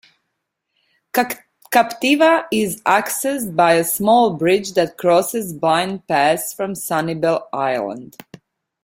Captiva is accessed by a small bridge that crosses Blind Pass from Sanibel Island.